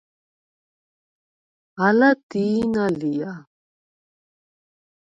ალა დი̄ნა ლია?